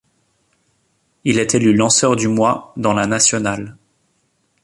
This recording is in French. Il est élu lanceur du mois dans la Nationale.